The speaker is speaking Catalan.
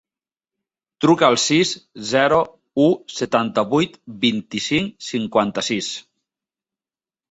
Truca al sis, zero, u, setanta-vuit, vint-i-cinc, cinquanta-sis.